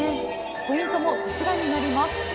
ポイントもこちらになります。